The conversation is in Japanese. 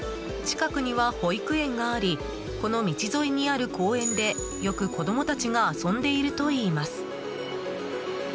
近くには保育園がありこの道沿いにある公園でよく子供たちが遊んでいるといいます。